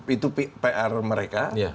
itu pr mereka